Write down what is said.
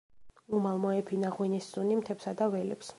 უმალ მოეფინა ღვინის სუნი მთებსა და ველებს.